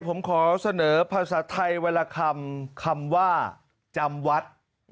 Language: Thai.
ผมขอเสนอพัฒธภัยไทยเวลาคำคำว่าจำวัด